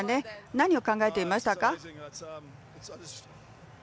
何を考えていましたか？